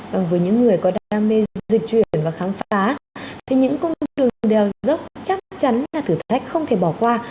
vâng với những người có đam mê dịch chuyển và khám phá thì những cung đường đèo dốc chắc chắn là thử thách không thể bỏ qua